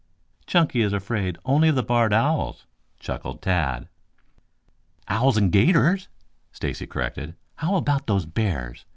"Chunky is afraid only of the barred owls," chuckled Tad. "Owls and 'gators," Stacy corrected. "How about those bears?